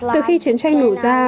từ khi chiến tranh nổ ra